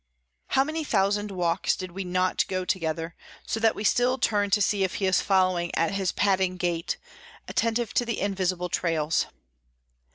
How many thousand walks did we not go together, so that we still turn to see if he is following at his padding gait, attentive to the invisible trails.